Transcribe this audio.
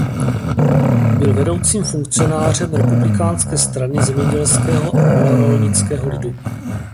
Byl vedoucím funkcionářem Republikánské strany zemědělského a malorolnického lidu.